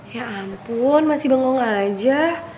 ya ampun masih bengong aja